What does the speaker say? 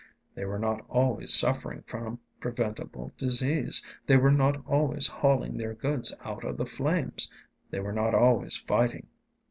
They were not always suffering from preventable disease; they were not always hauling their goods out of the flames; they were not always fighting.